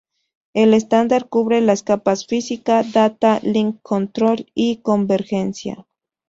El estándar cubre las capas Física, Data Link Control y Convergencia.